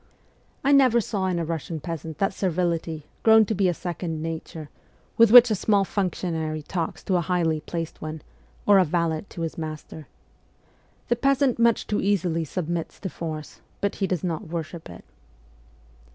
I never saw in a "Russian peasant that servility, grown to be a second nature, with which a small functionary talks to a highly placed one, or a valet to his master. The peasant much too easily submits to force, but he does not worship it.